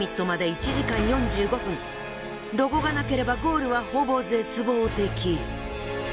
ロゴがなければゴールはほぼ絶望的。